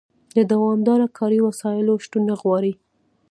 د دوامداره کاري وسایلو شتون نه غواړي.